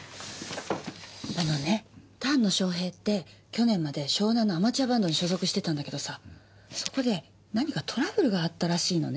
あのね丹野翔平って去年まで湘南のアマチュアバンドに所属してたんだけどさそこで何かトラブルがあったらしいのね。